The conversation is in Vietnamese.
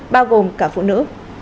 bao gồm cả phụ nữ